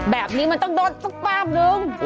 แบบนี้มันต้องโดนสักป้ามนึง